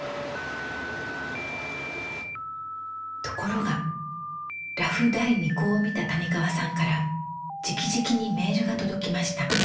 ところがラフ第２稿を見た谷川さんからじきじきにメールが届きました。